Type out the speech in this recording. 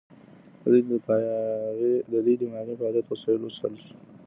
د دوی دماغي فعالیت وسایلو وڅارل شو.